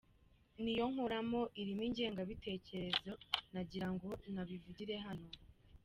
N’iyo nkoramo irimo ingengabitekerezo, nagira ngo nabivugire hano.